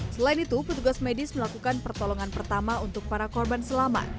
selain itu petugas medis melakukan pertolongan pertama untuk para korban selama